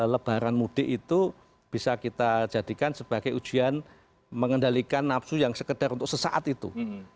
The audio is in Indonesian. lebaran mudik itu bisa kita jadikan sebagai ujian mengendalikan nafsu yang sekedar untuk sesaat itu